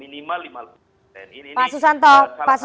ini salah satu di antaranya